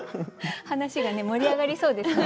話がね盛り上がりそうですね。